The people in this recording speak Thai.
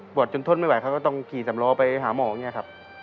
จนทนไม่ไหวเขาก็ต้องขี่สำล้อไปหาหมออย่างนี้ครับ